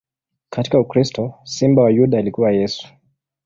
Katika ukristo, Simba wa Yuda alikuwa Yesu.